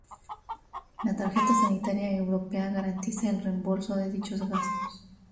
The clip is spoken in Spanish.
La Tarjeta Sanitaria Europea garantiza el reembolso de dichos gastos.